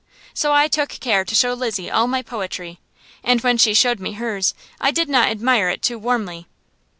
So I took care to show Lizzie all my poetry, and when she showed me hers I did not admire it too warmly.